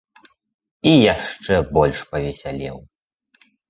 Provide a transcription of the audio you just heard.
І яшчэ больш павесялеў.